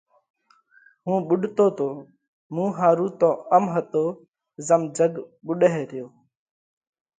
هُون ٻُوڏتو تو، مُون ۿارُو تو ام هتو زم جڳ ٻُوڏئه ريو۔